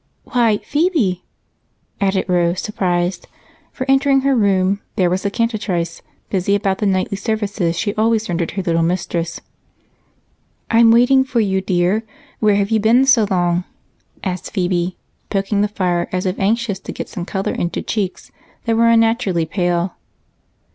Why, Phebe!" said Rose, surprised, for, entering her room, there was the cantatrice, busy about the nightly services she always rendered her little mistress. "I'm waiting for you, dear. Where have you been so long?" asked Phebe, poking the fire as if anxious to get some color into cheeks that were unnaturally pale.